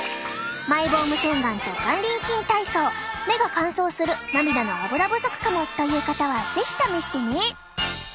マイボーム洗顔と眼輪筋体操目が乾燥する涙のアブラ不足かもという方は是非試してね！